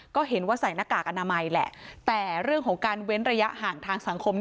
ก็เห็นว่าใส่หน้ากากอนามัยแหละแต่เรื่องของการเว้นระยะห่างทางสังคม